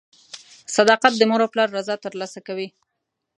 • صداقت د مور او پلار رضا ترلاسه کوي.